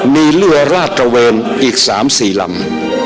มีเรือราดตระเวนอีก๓๔ลำ